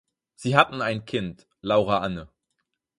Sie hatten ein Kind, Laura Anne.